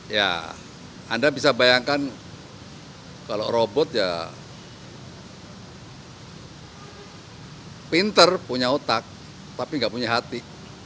ya anda bisa bayangkan kalau robot ya pinter punya otak tapi nggak punya hati